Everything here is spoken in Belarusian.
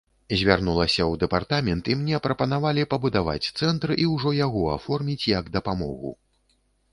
Звярнулася ў дэпартамент, і мне прапанавалі пабудаваць цэнтр і ўжо яго аформіць як дапамогу.